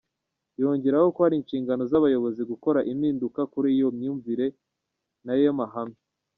Yongeraho ko ari inshingano z’ abayobozi gukora impinduka kuri iyi myumvire n’ ayo mahame.